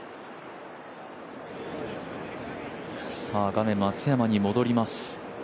画面、松山に戻ります。